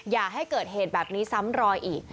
อย่าให้เกิดเหตุแบบนี้ซ้ำรอยอีก